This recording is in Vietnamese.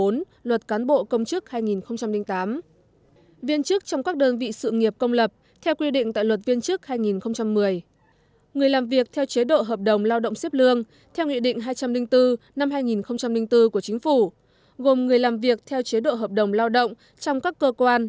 năm hai nghìn bốn của chính phủ gồm người làm việc theo chế độ hợp đồng lao động trong các cơ quan